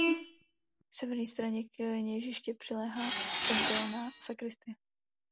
K severní straně kněžiště přiléhá obdélná sakristie.